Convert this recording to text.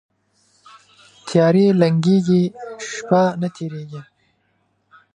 تیارې لنګیږي، شپه نه تیریږي